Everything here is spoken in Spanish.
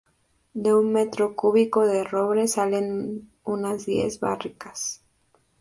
De un metro cúbico de roble salen unas diez barricas.